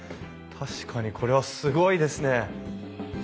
確かにこれはすごいですね！